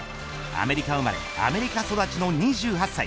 アメリカ生まれアメリカ育ちの２８歳。